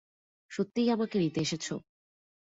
সত্যিই আমাকে নিতে এসেছো।